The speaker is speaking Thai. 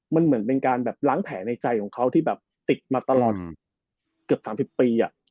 มันเหมือนเป็นการแบบล้างแผลในใจของเขาที่แบบติดมาตลอดเกือบ๓๐ปี